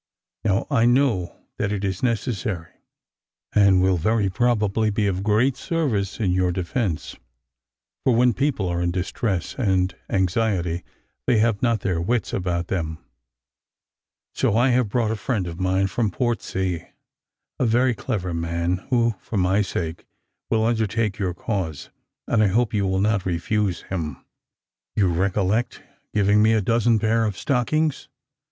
Now I know that it it is necessary, and will very probably be of great service in your defence for when people are in distress and anxiety, they have not their wits about them; so I have brought a friend of mine from Portsea, a very clever man, who, for my sake, will undertake your cause; and I hope you will not refuse him. You recollect giving me a dozen pairs of stockings.